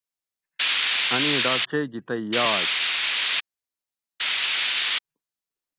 اۤن ایں ڈاکچئ گی تئ یاگ